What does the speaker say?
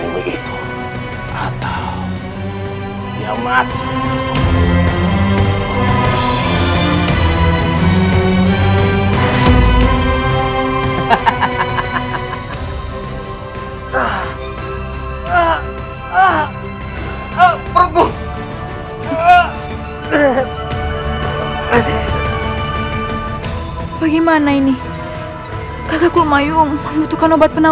untuk dianggil penyelamat utamaatz ini